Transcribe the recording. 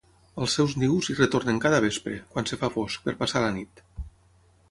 Als seus nius hi retornen cada vespre, quan es fa fosc, per passar la nit.